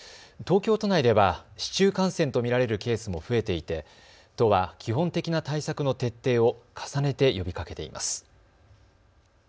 東京都内では市中感染と見られるケースも増えていて都は基本的な対策の徹底を重ねて呼びかけています。